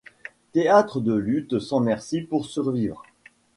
Théâtre de luttes sans merci pour survivre.